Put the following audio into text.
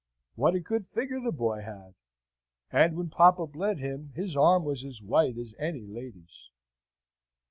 What a good figure the boy had! and when papa bled him, his arm was as white as any lady's!